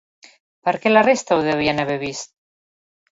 Per què la resta ho devien haver vist?